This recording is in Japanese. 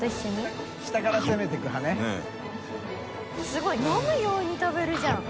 すごい飲むように食べるじゃん。